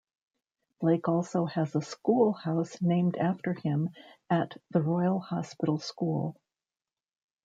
Blake also has a school house named after him at The Royal Hospital School.